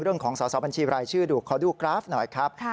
สอสอบัญชีรายชื่อดูขอดูกราฟหน่อยครับ